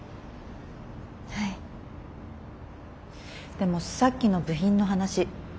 でもさっきの部品の話。